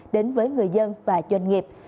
đến với người dân và doanh nghiệp